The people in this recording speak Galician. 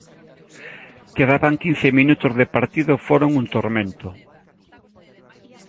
Quedaban quince minutos de partido e foron un tormento.